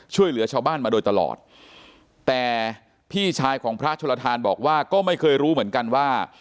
ช่วยเหลือชาวบ้านมาโดยตลอดแต่พี่ชายของพระชลทานบอกว่าก็ไม่เคยรู้เหมือนกันว่า